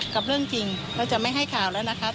กับเรื่องจริงเราจะไม่ให้ข่าวแล้วนะคะ